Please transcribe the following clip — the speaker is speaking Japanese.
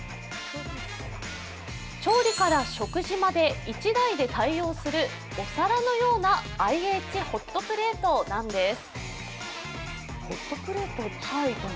調理から食事まで１台で対応するお皿のようなＩＨホットプレートなんです。